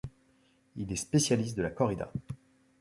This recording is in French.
Il est spécialiste de la corrida.